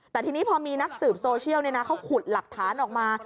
แต่ทีนี้พอมีนักสืบโซเชียลเขาขุดหลักฐานออกมา